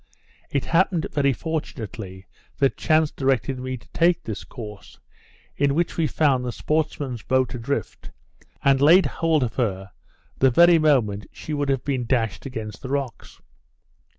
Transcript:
It happened very fortunately that chance directed me to take this course, in which we found the sportsmen's boat adrift, and laid hold of her the very moment she would have been dashed against the rocks.